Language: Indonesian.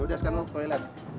udah sekarang lu ke toilet